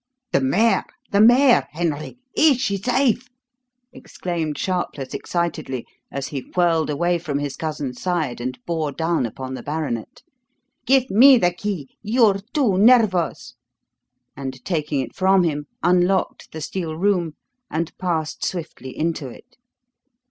"The mare! The mare, Henry! Is she safe?" exclaimed Sharpless excitedly as he whirled away from his cousin's side and bore down upon the baronet. "Give me the key you're too nervous." And, taking it from him, unlocked the steel room and passed swiftly into it.